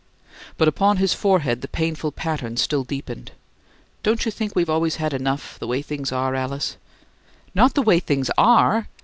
But upon his forehead the painful pattern still deepened. "Don't you think we've always had enough, the way things are, Alice?" "Not the way things ARE!"